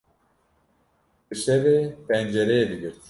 Bi şevê pencereyê digirt.